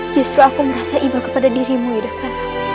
justru aku merasa imba kepada dirimu yudhakara